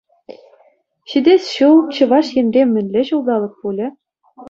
Ҫитес ҫул Чӑваш Енре мӗнле ҫулталӑк пулӗ?